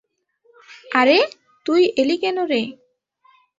–আরে তুই এলি কেন রে!